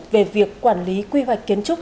về việc quản lý quy hoạch kiến trúc